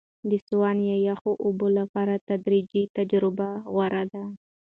د سونا یا یخو اوبو لپاره تدریجي تجربه غوره ده.